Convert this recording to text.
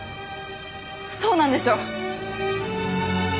そうなんでしょ？